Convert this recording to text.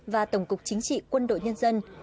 và tổng cục chính trị quân đội nhân dân